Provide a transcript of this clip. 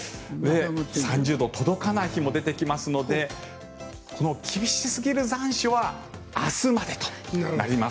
３０度届かない日も出てきますのでこの厳しすぎる残暑は明日までとなります。